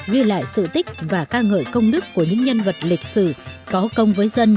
ghi lại sự tích và ca ngợi công đức của những nhân vật lịch sử có công với dân